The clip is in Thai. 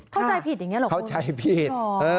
เข้าใจผิดอย่างเงี้ยหรอคุณเข้าใจผิดอ๋อ